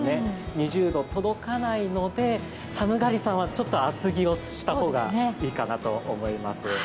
２０度届かないので、寒がりさんはちょっと厚着をした方がいいかなと思います。